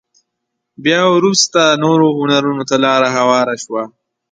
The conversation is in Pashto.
بيا وروسته نورو هنرونو ته لاره هواره شوه.